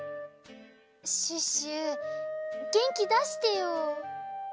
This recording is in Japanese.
シュッシュげんきだしてよ。